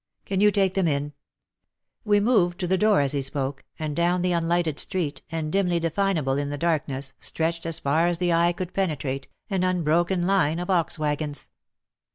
Can you take them in ?" We moved to the door as he spoke, and down the unlighted street, and dimly definable in the darkness, stretched, as far as the eye could penetrate, an unbroken line of ox waggons.